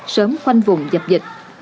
sớm khoanh vùng dập dịch